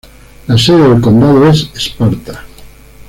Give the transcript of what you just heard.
La sede del condado es Sparta.